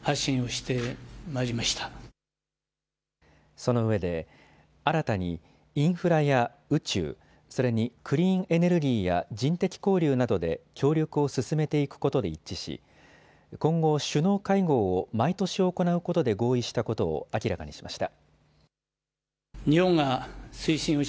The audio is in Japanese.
その上で、新たにインフラや宇宙、それにクリーンエネルギーや人的交流などで協力を進めていくことで一致し、今後、首脳会合を毎年行うことで合意したことを明らかにしました。